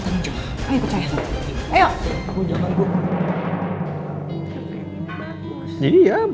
kamu harus tanggung jawab